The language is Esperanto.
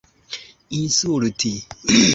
insulti